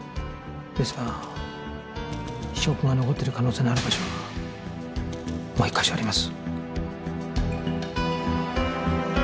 ですが証拠が残ってる可能性のある場所がもう１か所あります。